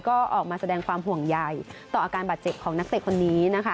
ก็ออกมาแสดงความห่วงใหญ่ต่ออาการบาดเจ็บของนักเตะคนนี้นะคะ